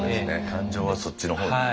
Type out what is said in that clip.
感情はそっちの方に。